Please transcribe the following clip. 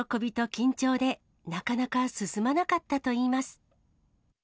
緊張でなかなか進まなかったといいます。